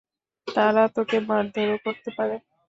তারা তোকে মারধরও করতে পারে।